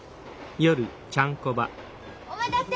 お待たせ！